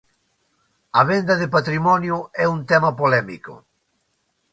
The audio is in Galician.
A venda de patrimonio é un tema polémico.